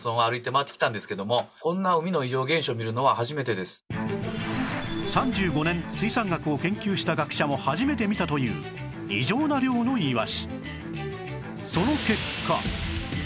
いや私も３５年水産学を研究した学者も初めて見たという異常な量のイワシ